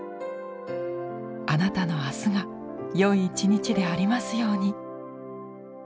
あなたの明日がよい一日でありますように。